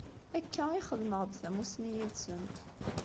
Akka i xedmeɣ-d tamussni yid-sent.